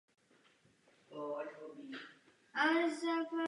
Vůdčí osobností skupiny je zpěvák a kytarista Charlie Fink.